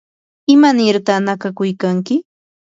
¿imanirta nakakuykanki?